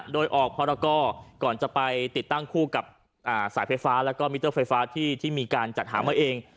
โดยออกพรกรก่อนจะไปติดตั้งคู่กับสายไฟฟ้าแล้วก็มิเตอร์ไฟฟ้าที่มีการจัดหามาเอง